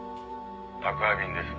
「宅配便です」